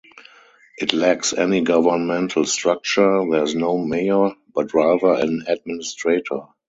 It lacks any governmental structure; there is no mayor but rather an "administrator".